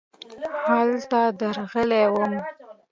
هلته درغلې وم .